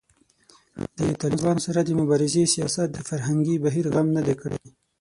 د طالبانو سره د مبارزې سیاست د فرهنګي بهیر غم نه دی کړی